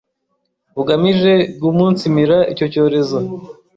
bugamije guumunsimira icyo cyorezo